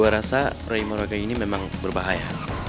gua rasa rey moraga ini memang berbahaya